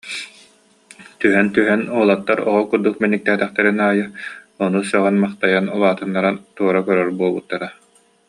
Түһэн-түһэн, уолаттар оҕо курдук мэниктээтэхтэрин аайы ону сөҕөн-махтайан, улаатыннаран туора көрөр буолбуттара